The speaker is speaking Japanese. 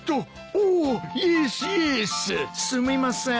すみません。